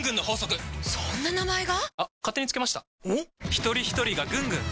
ひとりひとりがぐんぐん！